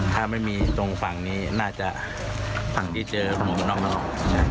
ถ้าไม่มีตรงฝั่งนี้น่าจะฝั่งที่เจอหมวกนอกนั้นออก